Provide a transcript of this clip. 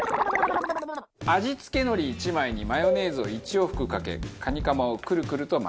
味付け海苔１枚にマヨネーズを１往復かけカニカマをくるくると巻きます。